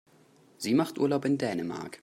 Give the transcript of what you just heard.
Sie macht Urlaub in Dänemark.